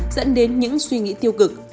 dẫn đến những suy nghĩ tiêu cực